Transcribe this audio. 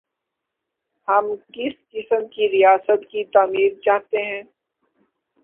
ہم کس قسم کی ریاست کی تعمیر چاہتے ہیں؟